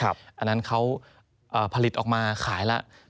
อันนั้นเขาผลิตออกมาขายแล้ว